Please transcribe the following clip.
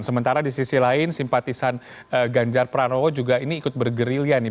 sementara di sisi lain simpatisan ganjar pranowo juga ini ikut bergerilya nih